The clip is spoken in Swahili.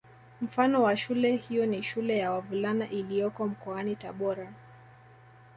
Mfano wa shule hiyo ni Shule ya wavulana iliyoko mkoani Tabora